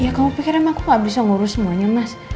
ya kamu pikir emang aku gak bisa ngurus semuanya mas